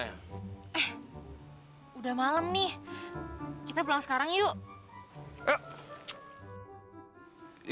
yah berhal ini kan kesempatan gua buat barengan sama laura semaleman